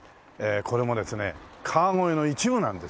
これもですね川越の一部なんですよねえ。